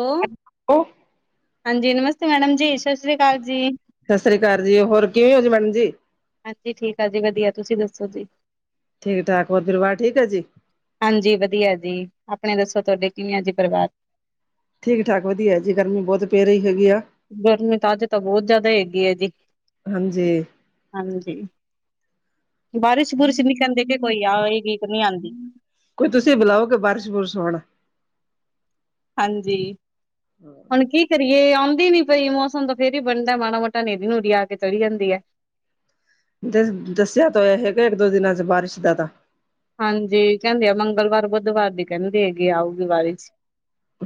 Hello ਉਹ ਹਾਂਜੀ, ਨਮਸਤੇ ਮੈਡਮ ਜੀ ਸਤਿ ਸ਼੍ਰੀ ਅਕਾਲ ਜੀ। ਸਤਿ ਸ਼੍ਹ ਅਕਾਲ ਜੀ ਹੋਰ ਕਿਵੇਂ ਹੋ ਜਾ ਮੈਡ ਜੀ ਹਾਂਜੀ, ਠੀਕ ਆ ਜੀ ਵਧੀਆ ਤੁਸੀਂ ਦੱਸੋ ਜੀ। ਠੀਕ ਠਾਕ ਹੋਰ ਪਰਿਵਾਰ ਠੀਕ ਹੈ ਜੀ? ਹਾਂਜੀ, ਵਧੀਆ ਜੀ ਆਪਣੇ ਦੱਸੋ ਤੁਹਾਡੇ ਕਿਵੇਂ ਜੀ ਪਰਿਵਾਰ? ਠੀਕ ਠਾਕ ਵਧੀਆ ਜੀ ਗਰਮੀ ਬਹੁਤ ਪੈ ਰਹੀ ਹੈਗੀ ਆ। ਗਰਮੀ ਤਾਂ ਅੱਜ ਤਾਂ ਬਹੁਤ ਜ਼ਿਆਦਾ ਹੈਗੀ ਹੈ ਜੀ। ਹਾਂਜੀ ਹਾਂਜੀ, ਬਾਰਿਸ਼ ਬੁਰਿਸ਼ ਨੀ ਕਹਿੰਦੇ ਕਿ ਕੋਈ ਆ ਗੀ ਨੀ ਆਉਂਦੀ ਕੋਈ ਤੁਸੀਂ ਬੁਲਾਓਗੇ ਬਾਰਿਸ਼ ਬੁਰਿਸ਼ ਹੋਣ, ਹਾਂਜੀ, ਹੁਣ ਕੀ ਕਰੀਏ ਆਉਂਦੀ ਨੀ ਪਈ ਮੌਸਮ ਤਾਂ ਫੇਰ ਹੀ ਬਣਦਾ ਮਾੜਾ ਮੋਟਾ ਹਨੇਰੀ ਨੂਰੀ ਆ ਕੇ ਚੱਲੀ ਜਾਂਦੀ ਹੈ। ਦਸਿਆ ਤਾ ਹੋਇਆ ਹੈਗਾ ਇੱਕ ਦੋ ਦਿਨਾਂ ਚ ਬਾਰਿਸ਼ ਦਾ ਤਾਂ, ਹਾਂਜੀ, ਕਹਿੰਦੇ ਆ ਮੰਗਲਵਾਰ ਬੁੱਧਵਾਰ ਦੀ ਕਹਿੰਦੀ ਹੈਗੀ ਆਊਗੀ ਬਾਰਿਸ਼।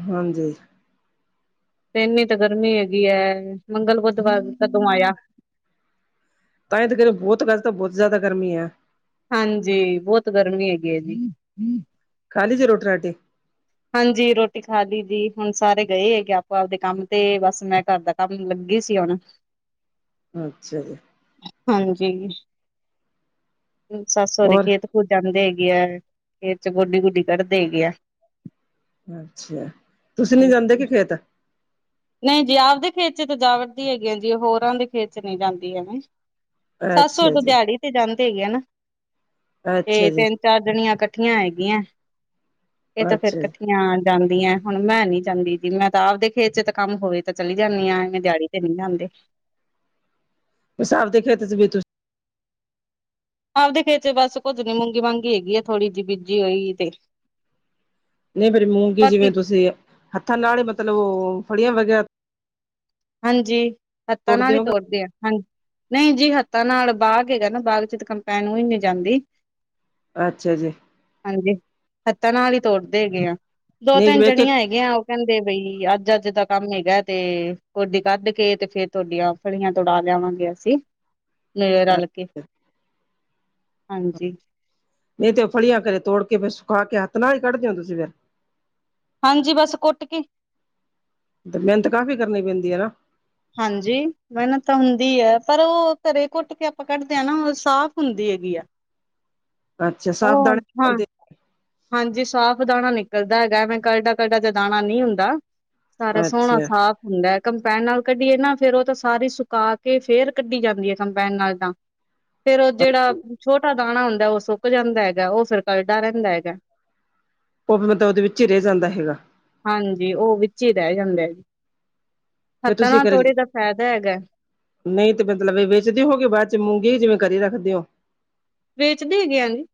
ਹਾਂਜੀ। ਤੇ ਇੰਨੀ ਤਾਂ ਗਰਮੀ ਹੈਗੀ ਹੈ ਮੰਗਲ ਬੁੱਧਵਾਰ ਕਦੋਂ ਆਇਆ। ਤਾਂ ਕਹਿ ਰਹਿਓ ਬਹੁਤ ਗੱਲ ਤਾਂ ਬਹੁਤ ਜ਼ਿਆਦਾ ਗਰਮੀ ਹੈ। ਹਾਂਜੀ, ਬਹੁਤ ਗਰਮੀ ਹੈਗੀ ਹੈ ਜੀ। ਖਾਲੀ ਜੀ ਰੋਟੀ ਰਾਟੀ, ਹਾਂਜੀ, ਰੋਟੀ ਖਾ ਲਈ ਜੀ ਹੁਣ ਸਾਰੇ ਗਏ ਹੈਗੇ ਆਪੋ ਆਪਦੇ ਕੰਮ ਤੇ ਬਸ ਮੈਂ ਘਰ ਦਾ ਕੰਮ ਲੱਗੀ ਸੀ ਹੁਣ, ਅੱਛਾ ਜੀ। ਹਾਂਜੀ, ਸੱਸ ਸੁਹਰੇ ਹੋਰ ਖੇਤ ਜਾਂਦੇ ਹੈਗੇ ਆ, ਖੇਤ ਚ ਗੋਡੀ ਗੋਡੀ ਕੱਢਦੇ ਹੈਗੇ ਆ। ਅੱਛਾ, ਤੁਸੀਂ ਨੀ ਜਾਂਦੇ ਕੀ ਖੇਤ? ਨਹੀਂ ਜੀ ਆਪਦੇ ਖੇਤ ਚ ਤਾਂ ਜਾਵਟਦੀ ਹੈਗੀ ਆ ਜੀ ਹੋਰਾ ਦੇ ਖੇਤ ਚ ਨਹੀਂ ਜਾਂਦੀ ਹੈ। ਸੱਸ ਅੱਛਾ ਸੁਹਰਾ ਜੀ ਦਿਹਾੜੀ ਤੇ ਜਾਂਦੇ ਹੈਗੇ ਨਾ, ਅੱਛਾ ਤੇ ਜੀ ਤਿੰਨ ਚਾਰ ਜਣੀਆਂ ਇਕੱਠੀਆਂ ਹੈਗੀਆਂ, ਇਹ ਤਾਂ ਫੇਰ ਅੱਛਾ ਜੀ ਇਕੱਠੀਆ ਜਾਂਦੀਆ ਹੁਣ ਮੈਂ ਨੀ ਜਾਂਦੀ ਜੀ, ਮੈਂ ਤਾਂ ਆਪਦੇ ਖੇਤ ਚ ਤਾਂ ਕੰਮ ਹੋਵੇ ਤਾਂ ਚਲੀ ਜਾਂਦੀ ਹਾ ਨਹੀ ਦਿਹਾੜੀ ਨਹੀਂ ਲਉਂਦੇ, ਬਸ ਆਪਦੇ ਖੇਤ ਚ ਵੀ ਤੁਸੀਂ ਆਪਦੇ ਖੇਤ ਚ ਬਸ ਕੁੱਝ ਨੀ ਮੂੰਗੀ ਵਾਂਗੀ ਹੈਗੀ ਆ ਥੋੜੀ ਜਿਹੀ ਬੀਜੀ ਹੋਈ ਤੇ, ਨਹੀਂ ਫੇਰ, ਮੂੰਗੀ ਜਿਵੇਂ ਬਾਕੀ ਤੁਸੀਂ ਹੱਥਾਂ ਨਾਲ ਹੀ ਮਤਲਬ ਉਹ ਫੜੀਆਂ ਵਗੈਰਾ ਹਾਂਜੀ, ਹੱਥਾਂ ਨਾਲ ਹੀ ਤੋੜਦੇ ਆ। ਹਾਂਜੀ, ਨਹੀਂ ਜੀ ਹੱਥਾਂ ਨਾਲ ਬਾਗ ਹੈਗਾ ਨਾ, ਬਾਗ ਚ ਤਾਂ ਕੰਪੈਨ ਉਈ ਨੀ ਜਾਂਦੀ। ਅੱਛਾ ਜੀ। ਹਾਂਜੀ, ਹੱਥਾਂ ਨਾਲ ਈ ਤੋੜਦੇ ਹੈਗੇ ਆ, ਦੋ ਨਹੀਂ ਤਿੰਨ ਜਿਵੇਂ ਇੱਕ ਜਣੀਆਂ ਇੱਕ ਹੈਗੀਆਂ। ਕਹਿੰਦੇ ਬਈ, ਅੱਜ-ਅੱਜ ਦਾ ਕੰਮ ਹੈਗਾ ਤੇ ਕੋਡੀ ਕੱਢ ਕੇ ਤੇ ਫੇਰ ਤੁਆਡੀਆਂ ਫਲੀਆਂ ਤੁੜਾ ਲਿਆਵਾਂਗੇ। ਅਸੀਂ ਲੇਆ ਰਲ ਕੇ ਹਾਂਜੀ। ਨਈ ਤੇ, ਓਹ ਫਲੀਆਂ ਫੇਰ ਤੋੜ ਕੇ ਫੇਰ ਸੁਕਾ ਕੇ ਹੱਥ ਨਾਲ ਹੀ ਕੱਢਦੇ ਓ ਤੁਸੀਂ ਫਿਰ ਹਾਂਜੀ ਬਸ ਕੁੱਟ ਕੇ ਤੇ ਮਿਹਨਤ ਕਾਫ਼ੀ ਕਰਨੀ ਪੈਂਦੀ ਹੈ ਨਾ ਹਾਂਜੀ ਮਿਹਨਤ ਤਾਂ ਹੁੰਦੀ ਹੈ ਪਰ, ਉਹ ਘਰੇ ਘੁੱਟ ਕੇ ਆਪਾਂ ਕੱਢਦੇ ਹਾਂ। ਨਾ ਉਹ ਸਾਫ਼ ਹੁੰਦੀ ਹੈਗੀ ਆ। ਅੱਛਾ, ਸਾਫ਼ ਉਹ ਦਾਣੇ ਹਾਂ ਨਿਕਲਦੇ। ਹਾਂਜੀ ਸਾਫ਼ ਦਾਣਾ ਨਿਕਲਦਾ ਹੈਗਾ। ਮੈਂ ਕਰਡਾ ਕਰਡਾ ਜਾਦਾਣਾ ਨਹੀਂ ਹੁੰਦਾ। ਸਾਰਾ ਸੋਹਣਾ ਅੱਛਾ ਸਾਫ਼ ਹੁੰਦਾ, ਕੰਪੈਣ ਨਾਲ ਕੱਢੀਏ ਨਾ, ਫੇਰ ਉਹ ਤਾਂ ਸਾਰੀ ਸੁਕਾ ਕੇ ਫੇਰ ਕੱਢੀ ਜਾਂਦੀ ਐ ਕੰਪੈਣ ਨਾਲ ਤਾਂ ਫੇਰ, ਉਹ ਜਿਹੜਾ ਛੋਟਾ ਦਾਣਾ ਹੁੰਦਾ, ਉਹ ਸੁੱਕ ਜਾਂਦਾ ਹੈਗਾ। ਉਹ ਫਿਰ ਕਰਡਾ ਰਹਿੰਦਾ ਹੈਗਾ। ਉਹ ਵੀ ਮਤਲਬ ਉਹਦੇ ਵਿੱਚ ਰਹਿ ਜਾਂਦਾ ਹੈਗਾ। ਹਾਂਜੀ, ਉਹ ਵਿੱਚ ਈ ਰਹਿ ਜਾਂਦਾ ਐ, ਫਿਰ ਹੱਥਾ ਤੁਸੀਂ ਨਾਲ ਘਰੇ ਥੋੜੀ ਦਾ ਫਾਇਦਾ ਹੈਗਾ। ਨਹੀਂ, ਤੇ ਮਤਲਬ, ਇਹ ਵ ਬਾਅਦ ਚ ਮੂੰਗੀ ਜਿਵੇਂ ਕਰੀ ਰੱਖਦੇ ਹੋ। ਵੇਚਦੇ ਹੈਗੇ, ਆਜੀ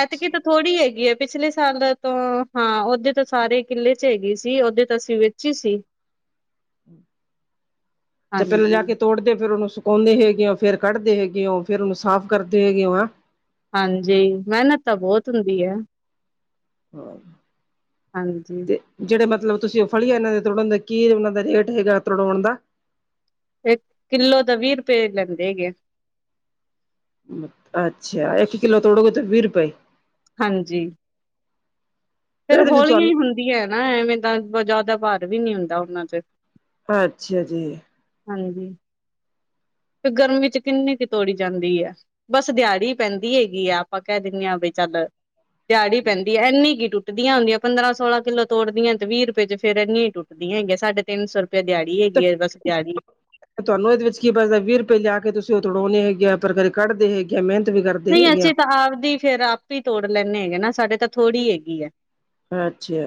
ਐਤਕੀ ਥੋੜ੍ਹੀ ਹੈਗੀ ਐ, ਪਿਛਲੇ ਸਾਲਾਂ ਤੋ ਹਾਂ ਉਹਦੇ ਤਾਂ ਸਾਰੇ ਕਿੱਲੇ ਚ ਹੈਗੀ ਸੀ। ਓਦੇ ਤਾਂ ਅਸੀਂ ਚੀ ਸੀ ਜ ਪਹਿਲਾਂ ਜਾ ਹਾਂਜੀ ਕੇ ਤੋੜਦੇ। ਫਿਰ ਉਹਨੂੰ ਸੁਕਾਉਂਦੇ ਹੈਗੇ ਓ, ਫਿਰ ਕੱਢਦੇ ਹੈਗੇ ਓ, ਫਿਰ ਉਹਨੂੰ ਸਾਫ਼ ਕਰਦੇ ਹੈਗੇ ਓ ਆ ਹਾਂਜੀ, ਮਿਹਨਤ ਤਾਂ ਬਹੁਤ ਹੁੰਦੀ ਹੈ। ਹਾਂ। ਹਾਂਜੀ। ਤੇ, ਜਿਹੜੇ ਮਤਲਬ ਤੁਸੀਂ ਉਹ ਫਲੀਆਂ ਇਹਨਾਂ ਦੇ ਤੋੜਨ ਦਾ ਕੀ ਉਹਨਾਂ ਦਾ ਰੇਟ ਹੈਗਾ ਤੋੜਾਉਣ ਦਾ ਇੱਕ ਕਿੱਲੋ ਦੇ ਵੀਹ ਰੁਪਏ ਲੈਂਦੇ ਹੈਗੇ। ਅੱਛਾ, ਇੱਕ ਕਿਲੋ ਤੋੜੋਗੇੋ ਤਾਂ ਵੀਹ ਰੁਪਏ ਹਾਂਜੀ। ਫਿਰ ਫੇਿਰ ਇਹਦੇ ਵਿੱਚ ਹੌਲੀਆਂ ਹੀ ਤੁਹਾਨੂੰ ਹੁੰਦੀਆਂ ਹੈ। ਨਾ ਐਵੇਂ ਤਾਂ ਜ਼ਿਆਦਾ ਭਾਰ ਵੀ ਨੀ ਹੁੰਦਾ, ਉਹਨਾਂ ਚ ਅੱਛਾ ਜੀ। ਹਾਂਜੀ। ਫੇਰ ਗਰਮੀ ਚ ਕਿੰਨੀ ਕੁ ਤੋੜੀ ਜਾਂਦੀ ਐ। ਬਸ ਦਿਹਾੜੀ ਪੈਂਦੀ ਹੈਗੀ ਆ, ਆਪਾਂ ਕਹਿ ਦਿੰਦੇ ਹਾਂ ਵੀ ਚੱਲ ਦਿਹਾੜੀ ਪੈਂਦੀ ਹੈ। ਇੰਨੀ ਕੀ ਟੁੱਟ ਟੁਟੱਦੀਆਂ ਹੁੰਦੀਆ ਪੰਦਰਾਂ ਸੋਲਾਂ ਕਿੱਲੋ ਤੋੜਦੀਆਂ ਤੇ ਵੀਹ ਰੁਪਏ ਚ ਫੇਰ ਐਨੀਆਂ ਹੀ ਟੁੱਟਦੀਆ ਗੀਆਂ ਸਾਢੇ ਤਿੰਨ ਸੌੁ ਰੁਪਏ ਦਿਹਾੜੀ ਤੇ ਹੈਗੀ ਆ, ਬਸ ਦਿਹਾੜੀ ਤੁਹਾਨੂੰ ਇਹਦੇ ਵਿੱਚ ਕੀ ਬੱਚਦਾ। ਵੀਹ ਰੁਪਏ ਲਿਆ ਕੇ ਤੁਸੀਂ ਉਹ ਤੜਾਉਣੇ ਹੈਗੇ ਆ ਪਰ ਘ ਕੱਢਦੇ ਹੈਗੇ ਆ, ਮਿਹਨਤ ਵੀ ਕਰਦੇ ਨਹੀਂ ਹੈਗੇ ਆ। ਅਸੀਂ ਤਾਂ ਆਪਦੀ ਫੇਰ ਆਪੇ ਈ ਤੋੜ ਲੈਂਣੇ ਹੈਗੇ ਨਾ, ਸਾਡੇ ਤਾਂ ਥੋੜ੍ਹੀ ਹੈਗੀ ਆ। ਅੱਛਾ।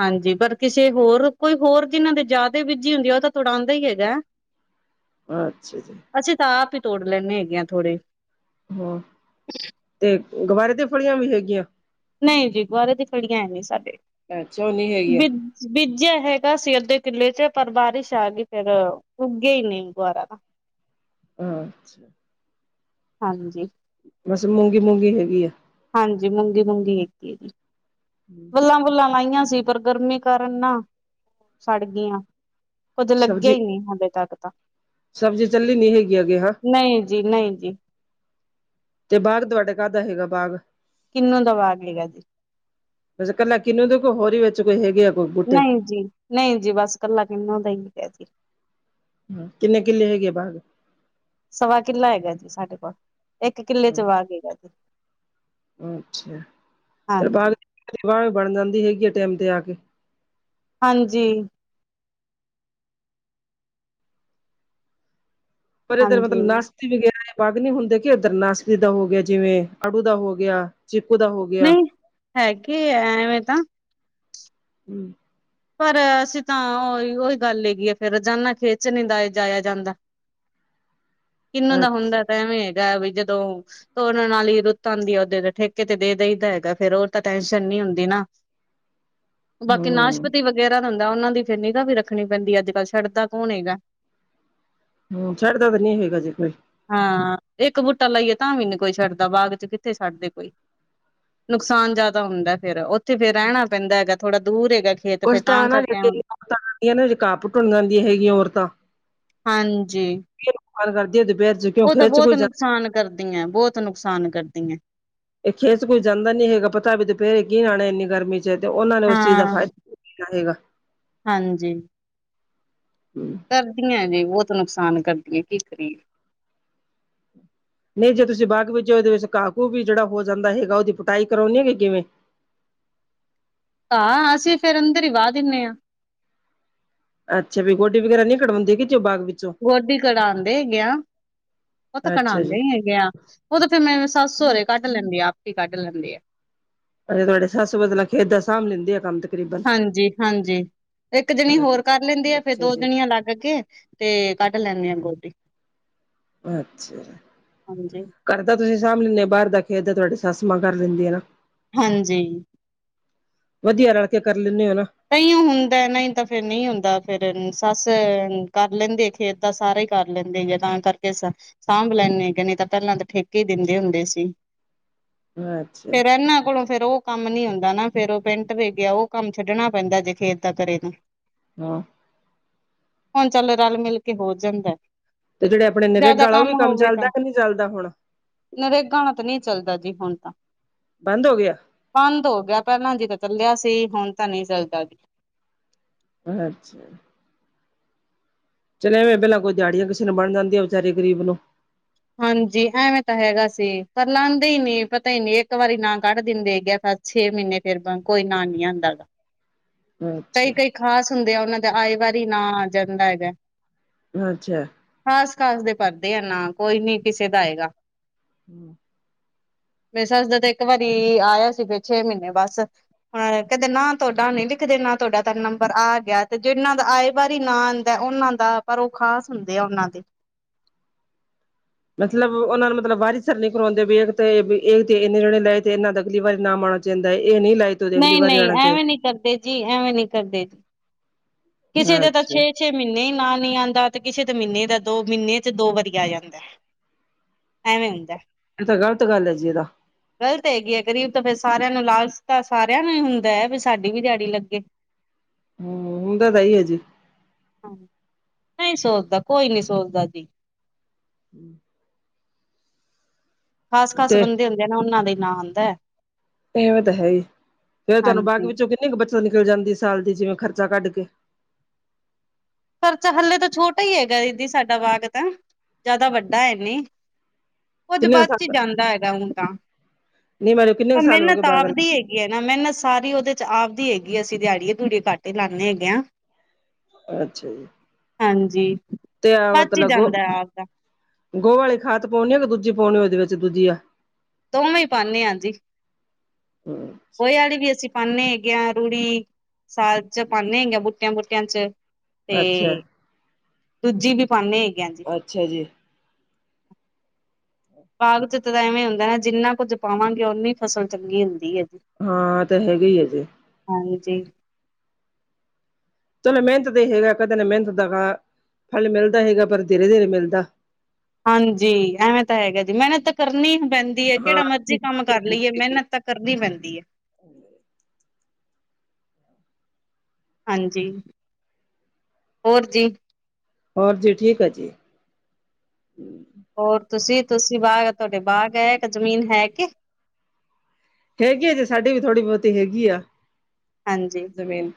ਹਾਂਜੀ, ਪਰ ਕਿਸੇ ਹੋਰ ਕੋਈ ਹੋਰ ਜਿਹਨਾਂ ਦੇ ਜ਼ਿਆਦਾ ਬੀਜੀ ਹੁੰਦੀ ਹੈ। ਉਹ ਤਾਂ ਤੜਾਉਂਦਾ ਹੀ ਹੈਗਾ। ਅੱਛਾ ਜੀ। ਅਸੀਂ ਤਾਂ ਆਪ ਹੀ ਤੋੜ ਲੈਂਣੇ ਹੈਗੇ, ਆ ਥੋੜੇ। ਹੂੰ। ਗਵਾਰੇ ਦੀਆ ਫਲੀਆਂ ਵੀ ਹੈਗੀਆਂ। ਨਹੀਂ ਜੀ, ਗੁਵਾਰੇ ਦੀ ਫਲੀਆ ਹੈ ਨੀ ਸਾਡੇ ਅੱਛਾ ਉਹ ਨਹੀਂ ਹੈਗੀਆਂ ਬੀਜਿਆ ਹੈਗਾ ਸੀ, ਅੱਧੇ ਕਿੱਲੇ ਚ, ਪਰ ਬਾਰਿਸ਼ ਆ ਗਈ ਫੇਿਰ, ਉੱਗਿਆ ਹੀ ਨਹੀਂ ਦੁਬਾਰਾ ਅੱਛਾ। ਹਾਂਜੀ ਬਸ, ਮੂੰਗੀ- ਮੂੰਗੀ ਹੈਗੀ ਆ। ਹਾਂਜੀ, ਮੂੰਗੀ- ਮੂੰਗੀ ਹੈਗੀ ਹੈ ਜੀ। ਹਮ [inaudible] ਬੱਲਾਂ, ਬੁੱਲਾਂ ਲਾਈਆਂ ਸੀ ਪਰ ਗਰਮੀ ਕਾਰਨ ਨਾ, ਸੜ ਗਈਆਂ ਕੁੱਝ ਲੱਗਿਆ ਸਬਜ਼ੀ ਹੀ ਨਹੀਂ, ਹਜੇ ਤੱਕ ਤਾਂ ਸਬਜ਼ੀ ਚੱਲੀ ਨੀ ਹੈਗੀ ਅੱਗੇ ਹਾਂ ਨਹੀਂ ਜੀ ਨਹੀਂ ਜੀ, ਤੇ ਬਾਗ, ਤੁਹਾਡੇ ਘਰ ਦਾ ਹੈਗਾ ਬਾਗ। ਕਿੰਨੂੰ ਦਾ ਬਾਗ ਹੈਗਾ। ਕੱਲਾ ਕਿਨੂੰ ਦੇ, ਕੋੋ ਹੋਰੀ ਵਿੱਚ ਕੋਈ ਹੈਗੇ ਆ ਕੋਈ ਬੂਟੇ ਨਹੀਂ ਜੀ ਨਹੀਂ ਜੀ ਬਸ, ਇਕੱਲਾ ਕਿੰਨਾ ਦਾ ਹੀ ਹੈਗਾ ਜੀ। ਹ, ਕਿੰਨੇ, ਕਿੱਲੇ ਹੈਗੇ ਆ ਬਾਗ? ਸਵਾ ਕਿੱਲਾ ਹੈਗਾ ਜੀ, ਸਾਡੇ ਕੋਲ ਇੱਕ ਕਿੱਲੇ ਚ ਬਾਗ਼ ਹੈਗਾ ਜੀ। ਅੱਛਾ ਫ਼ਿਰ, ਬਾਦੀ ਹਾਂਜੀ ਗ ਸਵਾ ਵੀ ਬਣ ਜਾਂਦੀ ਹੈਗੀ, ਕਿਸੇ ਟਾਈਮ ਤੇ, ਆ ਕੇ ਹਾਂਜੀ। ਪਰ ਇਧਰ, ਹਾਂਜੀ ਮਤਲਬ ਨਾਸ਼ ਵਗੈਰਾ, ਬਾਗ ਨੀ ਹੁੰਦੇ ਕਿ, ਓਧਰ ਨਾਸਤੀ ਦਾ ਹੋ ਗਿਆ, ਜਿਵੇਂ, ਅੜੂ ਦਾ ਹੋ ਗਿਆ। ਚਿੱਕੂ, ਦਾ ਹੋ ਗਿਆ। ਹੈ ਕਿ, ਆ ਐਵੇਂ ਨਾ, ਹਮ, ਪਰ ਅਸੀਂ ਤਾਂ, ਉਹੀ -ਉਹੀ ਗੱਲ ਹੈਗੀ ਆ, ਫਿਰ ਰੋਜ਼ਾਨਾ ਖੇਤ ਚ ਨਹੀਂ ਜਾਇਆ, ਜਾਂਦਾ। ਕਿਨਾ ਦਾ ਅੱਛਾ ਹੁੰਦਾ ਤਾਂ ਐਵੇਂ ਹੈਗਾ, ਬ ਜਦੋਂ ਉਹਨਾਂ ਨਾਲ ਹੀ, ਰੁੱਤ ਆਉਂਦੀ ਹੈ ਓਦੇ ਠੇਕੇ ਤੇ ਦੇ ਦਈਦਾ ਹੈਗਾ, ਫੇਰ ਉਹ ਤਾਂ ਟੈਨਸ਼ਨ ਨਹੀਂ ਹੁੰਦੀ ਨਾ, ਬਾਕੀ, ਹੂੰ ਨਾਸ਼ਪਤੀ ਵਗੈਰਾ ਹੁੰਦਾ, ਉਹਨਾਂ ਦੀ ਫਿਰ ਨਿਗਾਹ ਵੀ ਰੱਖਣੀ ਪੈਂਦੀ, ਅੱਜ -ਕੱਲ ਛੱਡਦਾ ਕੌਣ ਹੈਗਾ। ਹੋਰ ਛੱਡਦਾ ਤਾਂ ਨੀ ਹੈਗਾ ਜੇ ਕੋਈ ਹਾਂ, ਇੱਕ ਬੂਟਾ ਲਾਈਏ ਤਾਂ ਵੀ ਨਈ, ਕੋਈ ਛੱਡਦਾ ਬਾਗ ਚ ਕਿੱਥੇ ਛੱਡਦੇ ਕੋਈ ਨੁਕਸਾਨ, ਜ਼ਿਆਦਾ ਹੁੰਦਾ ਫੇਰ ਉੱਥੇ ਫੇਰ ਰਹਿਣਾ ਪੈਂਦਾ ਹੈਗਾ, ਥੋੜਾ ਦੂਰ ਹੈਗਾ ਖੇਤ। ਕੁਛ ਫੇਰ ਤਾਂ ਨਾ ਕਰਕੇ ਜਿਹੜੀਆਂ, ਔਰਤਾਂ ਆਉਦੀਆਂ, ਰੁਕਾਵਟ ਹੋ ਜਾਂਦੀ ਹੈਗੀ ਔਰਤਾਂ ਹਾਂਜੀ ਕੀ ਕਮਾਲ, ਕਰਦੀ ਦੁਪਹਿਰ ਚ ਕਿਉਂ ਉਹ ਤਾਂ ਖੇਤ ਚ, ਬਹੁਤ ਕੋਈ ਜਾ ਨੁਕਸਾਨ ਕਰਦੀਆਂ, ਬਹੁਤ ਨੁਕਸਾਨ ਕਰਦੀਆਂ। ਇਹ ਖੇਤ ਚ ਕੋਈ ਜਾਂਦਾ ਨੀ ਹੈਗਾ, ਪਤਾ ਵੀ ਦੁਪਹਰੇ ਕੀ, ਨੇ ਆਣਾ ਇੰਨੀ ਗਰਮੀ ਚ ਤੇ, ਉਹਨਾ ਨੇ ਉਸ ਚੀਜ਼ ਦਾ ਹਾਂ। ਫਾਇਦਾ ਕਿੰਨਾ ਰਹੇਗਾ, ਹਾਂਜੀ ਹਮ ਕਰਦੀਆਂ ਜੀ, ਬਹੁਤ ਨੁਕਸਾਨ ਕਰਦੀ ਹੈ ਕੀ ਕਰੀਏ। ਨਹੀਂ ਜੇ ਤੁਸੀਂ, ਬਾਗ ਉਹਦੇ ਵਿੱਚ ਘਾਹ ਘੂਹ ਵੀ ਜਿਹੜਾ ਹੋ ਜਾਂਦਾ ਹੈਗਾ, ਉਹਦੀ ਕਟਾਈ ਕਰਾਉਂਦੇ ਹੈਗੇ ਓ ਕਿਵੇਂ? ਘਾਹ, ਅਸੀਂ ਫੇਰ ਅੰਦਰ ਹੀ ਵਾਹ ਦਿੰਦੇ ਹਾਂ। ਅੱਛਾ, ਵੀ ਗੋਡੀ ਵਗੈਰਾ ਨਈ ਕਰਵਾਉਂਦੀ ਕਿ, ਜੋ ਬਾਗ ਵਿੱਚ, ਗੋਡੀ, ਕਰਾਉਂਦੇ ਹੈਗੇ ਆ, ਉਹ ਤਾਂ ਅੱਛਾ ਜੀ ਕਰਾਉਂਦੇ ਹੈਗੇ ਆ। ਉਹ ਫਿਰ, ਮੈਂ ਸੱਸ ਸੌਹਰੇ ਕੱਢ ਲੈਂਦੇ ਆ, ਆਪ ਹੀ ਕੱਢ ਲੈਂਦੇ ਆ ਅੇ ਤੁਹਾਡੇ ਸੱਸ ਮਤਲਬ ਖੇਤ ਦਾ ਸਾਂਭ ਲੈਂਦੀ ਆ ਕੰਮ ਤੇ ਹਾਂਜੀ- ਹਾਂਜੀ ਇੱਕ ਜਣੀ ਹੋਰ ਕਰ ਲੈਂਦੀ ਆ, ਫੇਰ ਅੱਛਾ ਦੋ ਜੀ ਜਣੀਆਂ ਲੱਗ ਕੇ ਤੇ, ਕੱਢ ਲੈਂਦੇ ਹਾਂ ਗੋਡੀ। ਅੱਛਾ। ਹਾਂਜੀ ਘਰ ਦਾ ਤੁਸੀਂ ਸਾਂਭ ਲੈਂਦੇ ਹੋ, ਬਾਹਰ ਦਾ ਖੇਤ ਦਾ ਤੁਹਾਡੇ ਸੱਸ ਮਾਂ ਕਰ ਲੈਂਦੀ ਆਂ ਨਾ। ਹਾਂਜੀ। ਵਧੀਆ, ਰਲ ਕੇ ਕਰ ਲੈਂਣੇ ਹੈ ਆਂ ਐਈ ਔ ਹੁੰਦਾ, ਨਹੀਂ ਤਾਂ ਫਿਰ ਨਹੀਂ ਹੁੰਦਾ ਫੇਰ ਸੱਸ ਕਰ ਲੈਂਦੀ। ਖੇਤ ਦਾ ਸਾਰੇ ਹੀ ਕਰ ਲੈਂਦੇ ਆ ਤਾਂ ਕਰਕੇ ਸਾਂਭ ਲੈਂਦੇ ਨਹੀਂ ਤਾਂ ਪਹਿਲਾਂ ਤਾਂ ਠੇਕੇ ਹੀ ਦਿੰਦੇ ਹੁੰਦੇ ਸੀ। ਅੱਛਾ ਫੇਰ ਇਹਨਾਂ ਕੋਲੋਂ ਫੇਰ ਉਹ ਕੰਮ ਨੀ ਹੁੰਦਾ ਨਾ ਫੇਰ ਉਹ ਪਿੰਟ ਵੇ ਗਿਆ, ਉਹ ਕੰਮ ਛੱਡਣਾ ਪੈਂਦਾ ਜੇ ਖੇਤ ਦਾ ਕਰੇ ਤਾਂ। ਹੂੰ, ਹੁਣ ਚੱਲ ਰਲ ਮਿਲ ਕੇ ਹੋ ਜਾਂਦਾ। ਤੇ ਜਿਹੜੇ ਆਪਣੇ ਨਿਰੇਗਾ ਜਿਆਦਾ ਵਾਲਾ ਉਹ ਵੀ ਕੰਮ ਹੋਵੇ ਚੱਲਦਾ, ਤਾਂ ਕਿ ਨਹੀਂ ਚੱਲਦਾ ਹੁਣ ਨਰੇਗਾ ਆਲਾ ਤਾਂ ਨਹੀਂ ਚੱਲਦਾ ਜੀ ਹੁਣ ਬੰਦ ਹੋ ਗਿਆ। ਬੰਦ ਹੋ ਗਿਆ, ਪਹਿਲਾਂ ਜੀ ਤਾਂ ਚੱਲਿਆ ਸੀ ਹੁਣ ਤਾਂ ਨਹੀਂ ਚੱਲਦਾ ਜੀ। ਅੱਛਾ, ਚਲੇ ਐਵੇਂ ਪਹਿਲ ਕੋਈ ਦਿਹਾੜੀਆਂ ਕਿਸੇ ਨੂੰ ਬਣ ਜਾਂਦੀਆਂ ਵਿਚਾਰੇ ਗਰੀਬ ਨੂੰ ਹਾਂਜੀ ਐਵੇਂ ਤਾਂ ਹੈਗਾ ਸੀ, ਪਰ ਲਾਦੇ ਹੀ ਨੀ ਪਤਾ ਹੀ ਨੀ ਇੱਕ ਵਾਰੀ ਨਾ ਕੱਢ ਦਿੰਦੇ ਹੈਗੇ। ਛੇ ਮਹੀਨੇ ਫੇਰ ਬੰਦ ਕੋਈ ਨਾਂ ਨੀ ਆਦਾ। [unintelligible] ਅੱਛਾ ਕਈ-ਕਈ ਖ਼ਾਸ ਹੁੰਦੇ ਆ, ਉਹਨਾਂ ਦਾ ਆਏ ਵਾਰੀ ਨਾਂ ਆ ਜਾਂਦਾ ਹੈਗਾ। ਅੱਛਾ, ਖਾਸ-ਖਾਸ ਦੇ ਭਰ ਦੇ ਆ ਨਾਂ ਕੋਈ ਨੀ ਕਿਸੇ ਦਾ ਹੈਗਾ। [unintelligible] ਮੇਰੀ ਸੱਸ ਦਾ ਤਾਂ ਇੱਕ ਵਾਰੀ ਆਇਆ ਸੀ, ਫੇਰ ਛੇ ਮਹੀਨੇ ਬਸ ਕਹਿੰਦੇ ਨਾ ਤੁਹਾਡਾ ਨੀ ਲਿਖਦੇ ਨਾਂ ਤੁਹਾਡਾ ਤਾਂ ਨੰਬਰ ਆ ਗਿਆ, ਤੇ ਜਿਹਨਾਂ ਦਾ ਆਏ ਵਾਰੀ ਨਾਂ ਆਦਾ ਉਹਨਾਂ ਆ ਪਰ ਉਹ ਖਾਸ ਹੁੰਦੇ ਆ ਉਹਨਾਂ ਦੇ, ਮਤਲਬ ਉਹਨਾਂ ਨੂੰ ਮਤਲਬ ਵਾਰੀ ਸਰ ਨੀ ਕਰਵਾਦੇ ਵੀ ਇੱਕ ਤੇ ਇੱਕ ਤੇ ਇੰਨੇ ਜਣੇ ਲਏ ਤੇ ਇਹਨਾਂ ਦਾ ਅਗਲੀ ਵਾਰੀ ਨਾਮ ਆਣਾ, ਜਾਂਦਾ ਇਹ ਨਹੀਂ ਲਾਈ, ਨਹੀ-ਨਹੀ, ਐਵੇਂ ਨੀ ਕਰਦੇ ਜੀ ਐਵੇਂ ਨਹੀ ਕਰਦੇ ਜੀ। ਕਿਸੇ ਚਾਹੀਦਾ ਦੇ ਤਾਂ ਅੱਛਾ ਛੇ ਮਹੀਨੇ ਹੀ ਨਾਂ ਨਹੀਂ ਆਦਾ ਤੇ ਕਿਸੇ ਦਾ ਮਹੀਨੇ ਦਾ ਦੋ ਮਹੀਨੇ ਚ ਦੋ ਵਾਰੀ ਆ ਜਾਂਦਾ। ਐਵੇਂ ਹੁੰਦਾ। ਇਹ ਤਾਂ ਗਲਤ ਗੱਲ ਹੈ ਜੀ ਇਹ ਤਾਂ ਗ਼ਲਤ ਹੈਗੀ ਹੈ, ਗਰੀਬ ਤਾਂ ਫੇਰ ਸਾਰਿਆਂ ਨੂੰ ਲਾਲਚ ਤਾਂ ਸਾਰਿਆਂ ਨੂੰ ਹੀ ਹੁੰਦਾ ਹੈ, ਵੀ ਸਾਡੀ ਵੀ ਦਿਹਾੜੀ ਲੱਗੇ। ਹੁੰਦਾ ਤੇ ਹੈ ਹੀ ਐ ਜੀ। ਹਾਂ ਨਹੀਂ ਸੋਚਦਾ ਕੋਈ ਨੀ ਸੋਚਦਾ ਜੀ। [unintelligible] ਖਾਸ-ਖਾਸ ਤੇ ਬੰਦੇ ਹੁੰਦੇ ਆ, ਨਾ ਉਹਨਾਂ ਦਾ ਹੀ ਨਾਂ ਆਦਾ। ਇਵੇਂ ਤਾਂ ਹੈ ਹੀ, ਫੇਰ ਤੁਹਾਨੂੰ ਬਾਗ ਹਾਂਜੀ। ਵਿੱਚੋਂ ਕਿੰਨੀ ਕੁ ਬੱਚਤ ਨਿਕਲ ਜਾਂਦੀ ਸਾਲ ਦੀ ਜਿਵੇਂ ਖਰਚਾ ਕੱਢ ਕੇ ਖਰਚਾ ਹਲੇੇ ਤਾਂ ਛੋਟਾ ਹੀ ਹੈਗਾ, ਦੀਦੀ ਸਾਡਾ ਬਾਗ ਤਾਂ ਜ਼ਿਆਦਾ ਵੱਡਾ ਨੀ। ਕੁੱਝ ਕਿੰਨੇ ਕੁ ਬੱਚ ਹੀ ਸਾਲ ਜਾਂਦਾ ਹੈਗਾ, ਹੁਣ ਤਾਂ ਨਹੀਂ ਮੇਰੇ ਕਿੰਨੇ ਕੁ ਪਰ ਸਾਲ ਹੋ ਗਏ ਮਿਹਨਤ ਬਾਗ ਆਪ ਦੀ ਹੈਗੀ। ਓਹੀ ਨਾ ਮਿਹਨਤ ਸਾਰੀ ਉਹਦੇ ਚ ਆਪਦੀ ਹੈਗੀ ਐ, ਅਸੀਂ ਦਿਹਾੜੀਏ-ਦਿਹਓੜੀਏ ਕੱਟ ਹੀ ਲਾਉਦੇ ਹੈਗੇ ਆ। ਅੱਛਾ ਜੀ, ਹਾਂਜੀ, ਤੇ ਆ ਬਚ ਹੀ ਮਤਲਬ ਗੋ ਜਾਂਦਾ ਆਪਦਾ ਗੋਹ ਆਲੀ ਖਾਦ ਪਾਉਨੀ ਆ ਕਿ ਦੂਜੀ ਪਾਉਨੀ ਇਹਦੇ ਵਿੱਚ ਦੂਜੀ ਆ। ਦੋਵੇਂ ਹੀ ਪਾਨੇ ਆ, ਜੀ ਗੋਏ ਆਲੀ ਵੀ ਅਸੀਂ ਪਾਨੇ ਹੈਗੇ ਆ, ਰੂੜੀ ਸਾਜ ਪਾਉੇ ਹੈਗੇ ਆ ਬੂਟਿਆਂ ਬੂਟਿਆਂ ਚ ਅੱਛਾ ਤੇ ਦੂਜੀ ਵੀ ਪਾਨੇ ਹੈਗੇ ਆ। ਜੀ ਅੱਛਾ ਜੀ, ਬਾਗ ਚਤ ਤਾਂ ਐਵੇਂ ਹੁੰਦਾ ਨਾ ਜਿੰਨਾ ਕੁੱਝ ਪਾਵਾਂਗੇ ਉਨੀ ਫਸਲ ਚੰਗੀ ਹੁੰਦੀ ਹੈ ਜੀ। ਹਾਂ ਇਹ ਤੇ ਹੈਗੇ ਹੀ ਆ ਜੀ। ਹਾਂਜੀ, ਚਲੋ ਮਿਹਨਤ ਦਾ ਹੀ ਹੈਗਾ, ਕਦੇ ਨਾ ਮਿਹਨਤ ਦਾ ਫਲ ਮਿਲਦਾ ਹੈਗਾ ਪਰ ਧੀਰੇ-ਧੀਰੇ ਮਿਲਦਾ। ਹਾਂਜੀ ਐਵੇਂ ਤਾਂ ਹੈਗਾ ਜੀ ਮੈਹਨਤ ਤਾਂ ਕਰਨੀ ਈ ਪੈਂਦੀ ਐ, ਹਾਂ ਕੈੜਾ ਮਰਜੀ ਕਾੰਮ ਕਾਰ ਲਈਏ, ਮੈਹਨਤ ਤਾਂ ਕਰਨੀ ਪੈਂਦੀ ਐ। ਹਾਂਜੀ, ਹੋਰ ਜੀ? ਹੋਰ ਜੀ, ਠੀਕ ਹੋ ਜੀ? ਹੋਰ ਤੂਸੀ, ਤੂਸੀ ਬਾਗ, ਤੂਆਡੇ ਬਾਗ ਐ, ਜ਼ਮੀਨ ਹੈ ਕੇ? ਹੈਗੀ ਆ ਜੀ ਸਾਡੀ ਵੀ ਥੋੜੀ ਬੋਤੀ ਹੈਗੀ ਆ। ਹਾਂਜੀ। ਜਮੀਨ